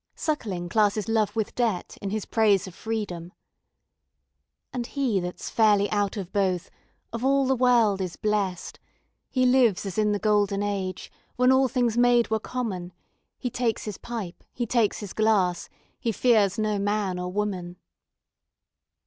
Suckling classes love with debt in his praise of freedom. 'And he that's fairly out of both Of all the world is blest. He lives as in the golden age, When all things made were common; He takes his pipe, he takes his glass, He fears no man or woman.'